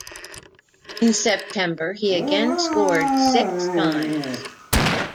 In September, he again scored six times.